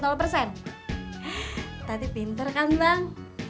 heeh taty pinter kan bang